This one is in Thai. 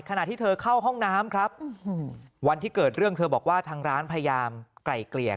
เธอเข้าห้องน้ำครับวันที่เกิดเรื่องเธอบอกว่าทางร้านพยายามไกล่เกลี่ย